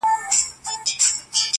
د طلا به دوه خورجینه درکړم تاته -